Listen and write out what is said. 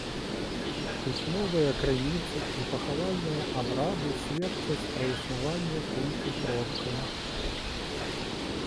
Пісьмовыя крыніцы і пахавальныя абрады сведчаць пра існаванне культу продкаў.